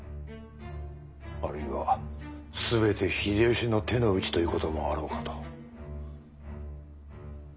あるいは全て秀吉の手の内ということもあろうかと。